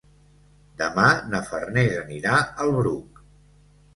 Demà na Farners anirà al Bruc.